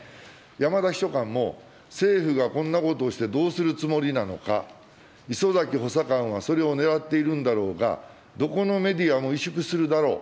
山田秘書官も、政府がこんなことをしてどうするつもりなのか、礒崎補佐官はそれをねらっているんだろうが、どこのメディアも萎縮するだろう。